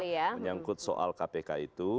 jadi kita harus menurut soal kpk itu